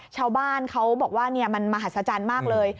ชาวบ้านเขาบอกว่ามันมหัศจรรย์มากเลย